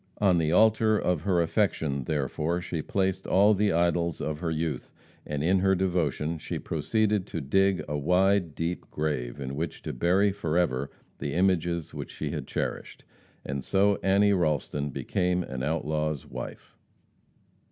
On the altar of her affection, therefore, she placed all the idols of her youth; and in her devotion she proceeded to dig a wide, deep grave in which to bury forever the images which she had cherished. And so Annie Ralston became an outlaw's wife.